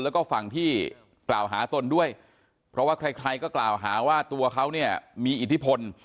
แล้วก็ฝั่งที่กล่าวหาตนด้วยเพราะว่าใครใครก็กล่าวหาว่าตัวเขาเนี่ยมีอิทธิพล